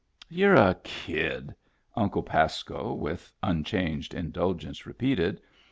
" You're a kid," Uncle Pasco, with unchanged indulgence, repeated.